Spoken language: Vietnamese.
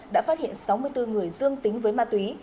đã phát hiện sáu mươi bốn người dương tính với ma túy